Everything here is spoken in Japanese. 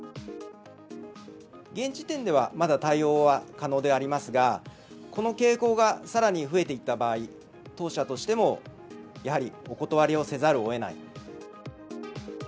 現時点では、まだ対応は可能でありますが、この傾向がさらに増えていった場合、当社としても、やはりお断りをせざるをえない。